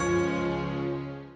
eh eh kalian kemana